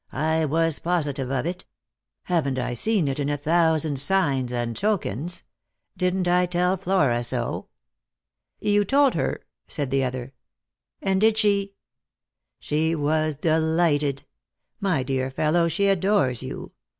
" I was positive of it. Haven't I seen it in a thousand signs and tokens? Didn't I tell Flora so?" " You told her ?" said the other ;" and did she "" She was delighted. My dear fellow, she adores you.